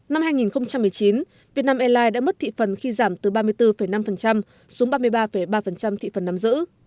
năm hai nghìn một mươi chín việt nam airlines đã mất thị phần khi giảm từ ba mươi bốn năm xuống ba mươi ba ba thị phần nắm giữ